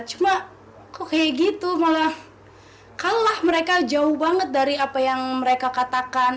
cuma kok kayak gitu malah kalah mereka jauh banget dari apa yang mereka katakan